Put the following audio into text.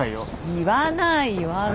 言わない言わない。